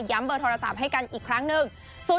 เบอร์โทรศัพท์ให้กันอีกครั้งหนึ่ง